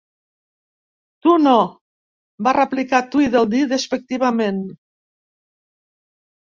"Tu no!", va replicar Tweedledee despectivament.